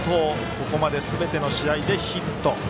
ここまですべての試合でヒット。